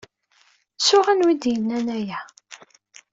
Ttuɣ anwa ay d-yennan aya.